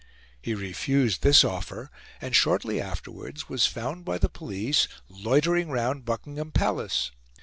He refused this offer, and shortly afterwards was found by the police loitering round Buckingham Palace.